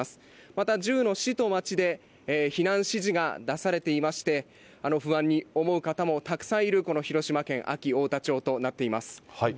また１０の市と町で、避難指示が出されていまして、不安に思う方もたくさんいる、この広島県安芸太田町となっています。